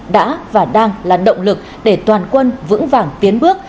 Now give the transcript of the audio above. đã và đang là động lực để toàn quân vững vàng tiến bước